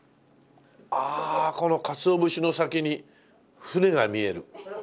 ああこの鰹節の先に船が見える。